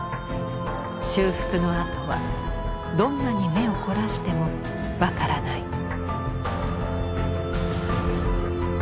修復の跡はどんなに目を凝らしても分からない。